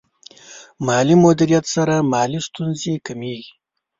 مالي مدیریت سره مالي ستونزې کمېږي.